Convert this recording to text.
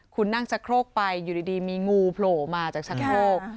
คุณนั่งชะโครกไปอยู่ดีมีงูโผล่มาจากชะโครก